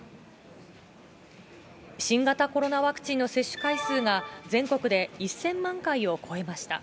新型コロナワクチンの接種回数が全国で１０００万回を超えました。